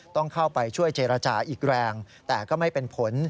ต้องเข้าไปช่วยเจรจาอีกแรงแต่ก็ไม่เป็นผล